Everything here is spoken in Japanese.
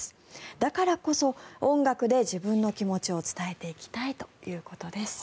だからこそ、音楽で自分の気持ちを伝えていきたいということです。